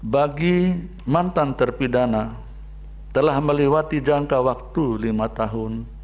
bagi mantan terpidana telah melewati jangka waktu lima tahun